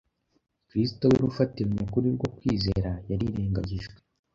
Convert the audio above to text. Kristo we rufatiro nyakuri rwo kwizera yarirengagijwe